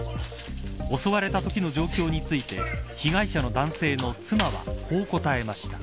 襲われたときの状況について被害者の男性の妻はこう答えました。